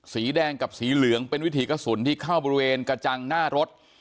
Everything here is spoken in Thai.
สีแดงกับสีเหลืองเป็นวิถีกระสุนที่เข้าบริเวณกระจังหน้ารถ